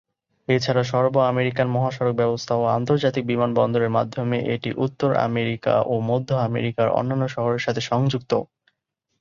এছাড়া সর্ব-আমেরিকান মহাসড়ক ব্যবস্থা ও আন্তর্জাতিক বিমানবন্দরের মাধ্যমে এটি উত্তর আমেরিকা ও মধ্য আমেরিকার অন্যান্য শহরের সাথেও সংযুক্ত।